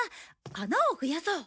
穴を増やそう。